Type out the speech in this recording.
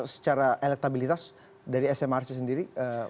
secara elektabilitas dari smrc sendiri